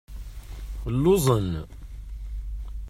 Lluẓen.